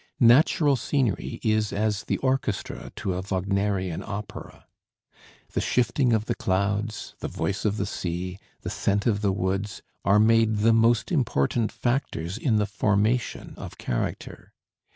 Natural scenery is as the orchestra to a Wagnerian opera. The shifting of the clouds, the voice of the sea, the scent of the woods, are made the most important factors in the formation of character.